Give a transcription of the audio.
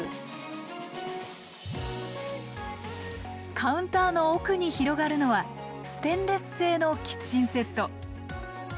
カウンターの奥に広がるのはステンレス製のキッチンセット。